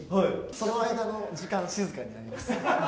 その間の時間、静かになります。